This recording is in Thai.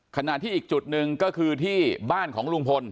ขณะที่อีกจุดหนึ่งก็คือที่บ้านของลุงพล